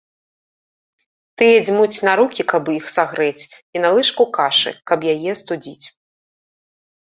Тыя дзьмуць на рукі, каб іх сагрэць, і на лыжку кашы, каб яе астудзіць.